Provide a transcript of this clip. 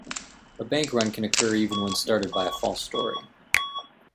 A bank run can occur even when started by a false story.